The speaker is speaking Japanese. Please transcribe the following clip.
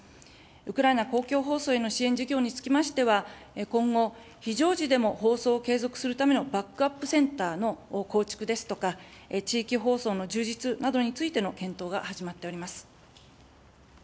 ウクライナ公共放送への支援事業につきましては、今後、非常時でも放送を継続するためのバックアップセンターの構築ですとか、地域放送の充実などについての検討が始まっております。